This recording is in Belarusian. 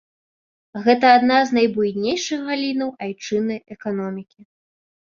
Гэта адна з найбуйнейшых галінаў айчыннай эканомікі.